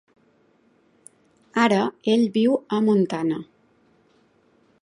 Ara ell viu a Montana.